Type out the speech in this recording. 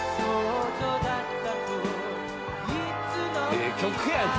ええ曲やな。